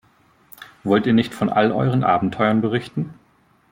Wollt ihr nicht von all euren Abenteuern berichten?